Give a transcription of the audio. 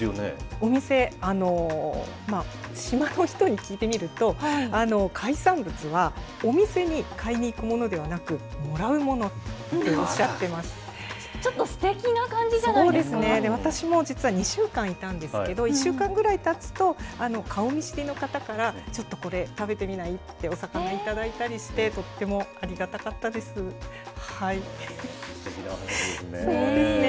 お店、島の人に聞いてみると、海産物はお店に買いに行くものではなく、もらうものっておっしゃちょっとすてきな感じじゃな私も実は２週間いたんですけど、１週間ぐらいたつと顔見知りの方からちょっとこれ、食べてみない？ってお魚頂いたりして、とってもありがたかったです。